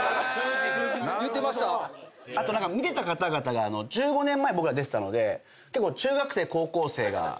あと何か見てた方々が１５年前僕ら出てたので結構中学生高校生が見てて。